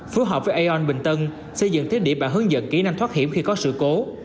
phù hợp với aon bình tân xây dựng thiết địa và hướng dẫn kỹ năng thoát hiểm khi có sự cố